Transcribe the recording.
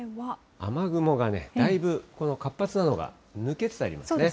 雨雲がね、だいぶこの活発なのが抜けつつありますね。